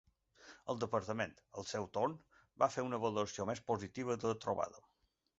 El departament, al seu torn, va fer una valoració més positiva de la trobada.